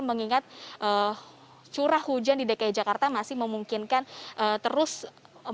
mengingat curah hujan di dki jakarta masih memungkinkan terus